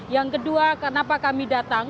yang kedua kenapa kami datang